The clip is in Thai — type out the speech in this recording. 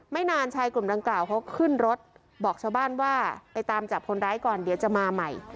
นานชายกลุ่มดังกล่าวเขาขึ้นรถบอกชาวบ้านว่าไปตามจับคนร้ายก่อนเดี๋ยวจะมาใหม่